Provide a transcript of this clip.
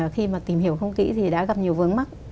khi mà tìm hiểu không kỹ thì đã gặp nhiều vướng mắt